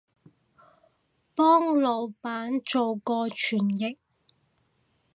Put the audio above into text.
幫腦闆做過傳譯